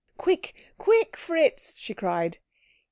"Quick, quick, Fritz," she cried.